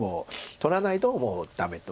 取らないともうダメと。